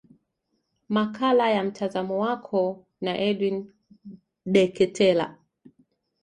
makala ya mtazamo wako na edwin deketela